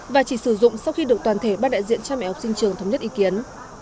và chỉ sử dụng sau khi được toàn thể ban đại diện cha mẹ học sinh trường thống nhất ý kiến